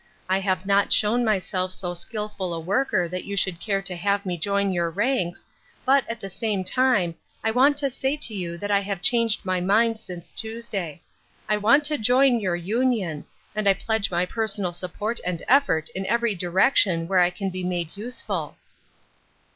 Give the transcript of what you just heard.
I have not shown my self so skillful a worker that you should care to have me join your ranks, but, at the same time, I want to say to you that I have changed my mind since Tuesday. I want to join your Union, and I pledge my personal support and effort in any direc tion where I can be made useful."